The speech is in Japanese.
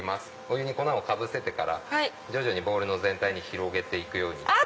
お湯に粉をかぶせてから徐々にボールの全体に広げて行くように。